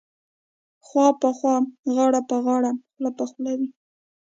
خوا په خوا غاړه په غاړه خوله په خوله وې.